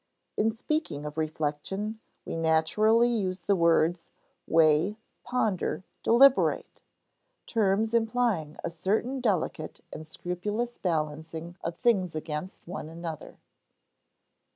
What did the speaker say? In speaking of reflection, we naturally use the words weigh, ponder, deliberate terms implying a certain delicate and scrupulous balancing of things against one another.